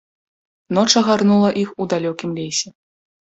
Ноч агарнула іх у далёкім лесе.